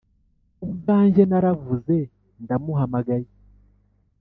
Ubwanjye naravuze ndamuhamagaye